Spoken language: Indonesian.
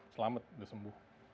selamat udah sembuh